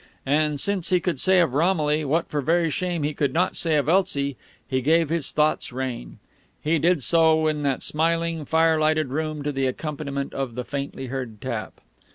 And since he could say of Romilly what for very shame he could not say of Elsie, he gave his thoughts rein. He did so in that smiling, fire lighted room, to the accompaniment of the faintly heard tap.